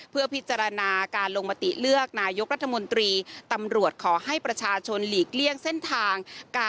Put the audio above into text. เพื่อพิจารณาการลงมติเลือกนายกรัฐมนตรีตำรวจขอให้ประชาชนหลีกเลี่ยงเส้นทาง